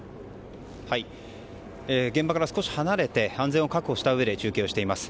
現場から少し離れて安全を確保したうえで中継をしています。